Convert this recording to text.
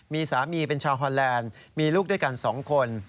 มีสามีเป็นชาวฮอนแลนด์มีลูกด้วยกัน๒คน